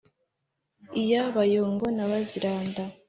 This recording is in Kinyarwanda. iya bayongo na baziranda